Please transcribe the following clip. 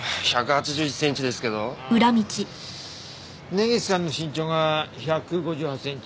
根岸さんの身長が１５８センチ。